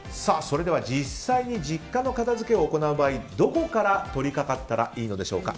実際に実家の片付けを行う場合どこから取り掛かったらいいのでしょうか。